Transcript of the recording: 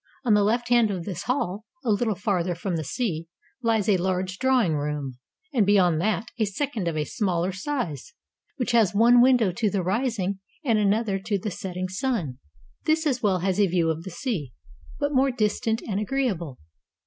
On the left hand of this hall, a little farther from the sea, lies a large drawing room, and beyond that, a second of a smaller size, which has one window to the rising and another to the setting sun: this as well has a view of the sea, but more distant and agreeable.